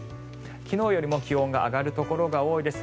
昨日よりも気温が上がるところが多いです。